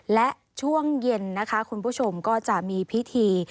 และช่วงเย็นนะคะคุณผู้ชมก็จะมีพิธี